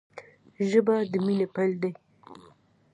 ژبه د مینې پیل دی